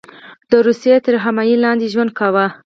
د روسیې تر حمایې لاندې ژوند کاوه.